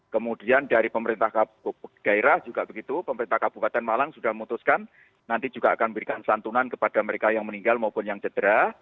kemudian dari pemerintah daerah juga begitu pemerintah kabupaten malang sudah memutuskan nanti juga akan memberikan santunan kepada mereka yang meninggal maupun yang cedera